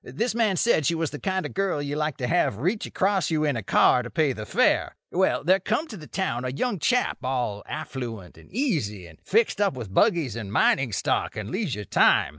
This man said she was the kind of girl you like to have reach across you in a car to pay the fare. Well, there come to the town a young chap all affluent and easy, and fixed up with buggies and mining stock and leisure time.